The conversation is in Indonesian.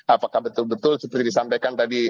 apakah betul betul seperti disampaikan tadi